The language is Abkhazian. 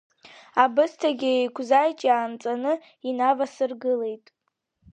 Абысҭагьы еиқәзаҷ ианҵаны инавасыргылеит.